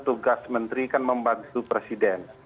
tugas menteri kan membantu presiden